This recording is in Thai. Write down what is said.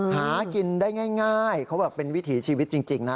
หากินได้ง่ายเขาบอกเป็นวิถีชีวิตจริงนะ